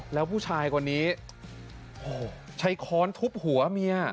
แล้วผู้ชายกว่านี้โอ้โหใช้ค้อนทุบหัวเมีย